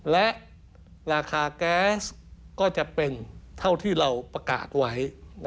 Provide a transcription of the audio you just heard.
และราคาแก๊สก็จะเป็นเท่าที่เราประกาศไว้